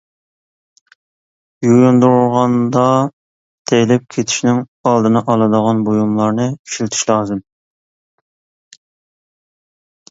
يۇيۇندۇرغاندا تېيىلىپ كېتىشنىڭ ئالدىنى ئالىدىغان بۇيۇملارنى ئىشلىتىش لازىم.